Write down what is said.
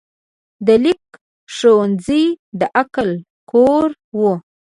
د لیک ښوونځی د عقل کور و.